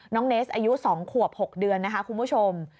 น้องเนสอายุ๒ขวบ๖เดือนนะคะคุณผู้ชม